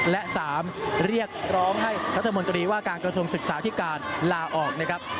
และ๓เรียกร้องให้รัฐมนตรีว่าการกระทรวงศึกษาที่การลาออกนะครับ